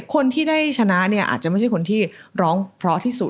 คนที่ได้ชนะเนี่ยอาจจะไม่ใช่คนที่ร้องเพราะที่สุด